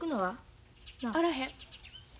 あらへん。